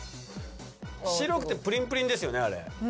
白くてプリンプリンですよねあれ。